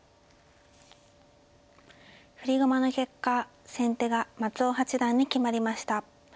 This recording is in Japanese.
振り駒の結果先手が松尾八段に決まりました。